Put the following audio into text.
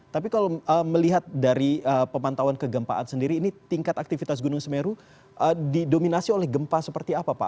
tapi kalau melihat dari pemantauan kegempaan sendiri ini tingkat aktivitas gunung semeru didominasi oleh gempa seperti apa pak